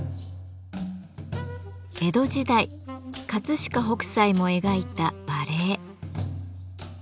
江戸時代飾北斎も描いた馬鈴。